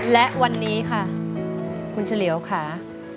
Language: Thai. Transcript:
และวันนี้ค่ะคุณเฉลียวค่ะ